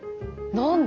何だ？